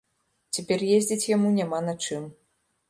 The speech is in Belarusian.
Цяпер ездзіць яму няма на чым.